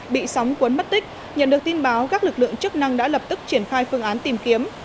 bị sóng cuốn mất tích nhận được tin báo các lực lượng chức năng đã lập tức triển khai phương án tìm kiếm